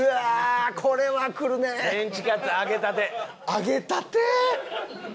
揚げたてー！